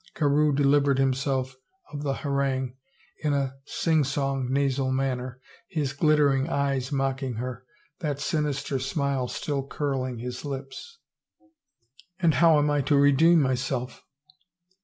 Carewe delivered himself of the harangue in a sing song nasal manner, his glittering eyes mocking her, that sinister smile still curling his lips. And how am I so to redeem myself?